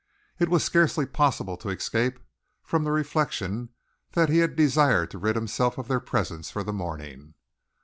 It was scarcely possible to escape from the reflection that he had desired to rid himself of their presence for the morning.